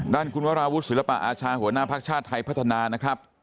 ด้านคุณวราวุฒิศิลปะอาชาหัวหน้าภักดิ์ชาติไทยพัฒนานะครับ